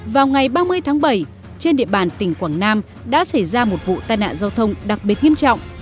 vào ngày ba mươi tháng bảy trên địa bàn tỉnh quảng nam đã xảy ra một vụ tai nạn giao thông đặc biệt nghiêm trọng